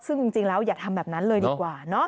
ซึ่งจริงแล้วอย่าทำแบบนั้นเลยดีกว่าเนาะ